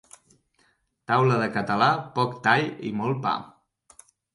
Taula de català, poc tall i molt pa.